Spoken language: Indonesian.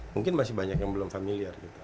mungkin masih banyak yang belum familiar gitu